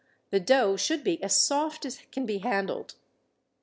The dough should be as soft as can be handled.